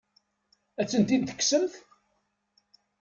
Ad ten-id-tekksemt?